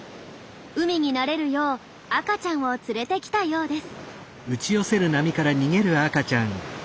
海に慣れるよう赤ちゃんを連れてきたようです。